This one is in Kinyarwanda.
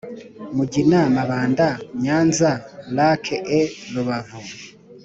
Mugina Mabanda Nyanza Lac et Rubavu